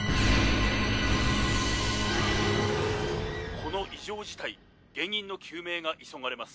この異常事態原因の究明が急がれます。